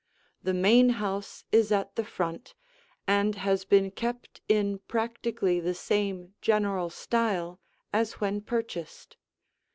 The main house is at the front and has been kept in practically the same general style as when purchased.